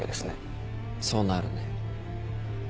そうなるね。